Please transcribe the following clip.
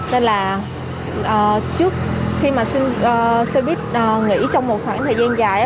nên là trước khi mà xe buýt nghỉ trong một khoảng thời gian dài